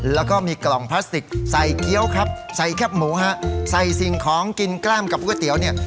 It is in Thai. แล้วก็มีกล่องพลาสติกใส่เกี้ยวครับใส่แคบหมูฮะใส่สิ่งของกินกล้ามกับก๋วยเตี๋ยวเนี่ย